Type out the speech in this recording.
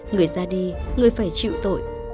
người ra đi người phải chịu tội